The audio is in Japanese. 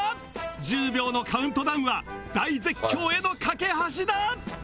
１０秒のカウントダウンは大絶叫への架け橋だ！